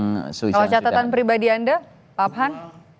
kalau catatan pribadi anda pak abhan